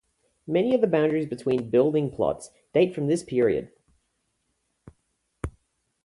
Many of the boundaries between building plots date from this period.